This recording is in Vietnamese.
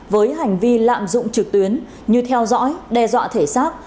với hành vi lạm dụng trực tuyến như theo dõi đe dọa thể xác